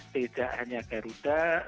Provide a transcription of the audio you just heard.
tidak hanya garuda